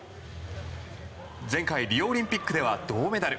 前回、リオオリンピックでは銅メダル。